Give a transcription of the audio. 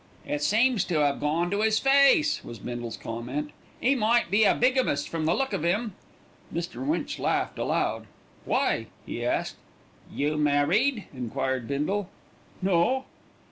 "It seems to 'ave gone to 'is face," was Bindle's comment. "'E might be a bigamist from the look of 'im." Mr. Winch laughed aloud. "Why?" he asked. "You married?" enquired Bindle. "No."